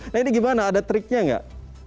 nah ini gimana ada triknya nggak